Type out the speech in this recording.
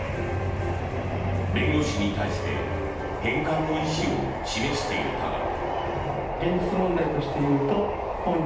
弁護士に対して返還の意思を示していたが。